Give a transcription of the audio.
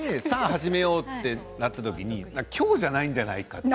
始めようとなった時今日じゃないんじゃないかと。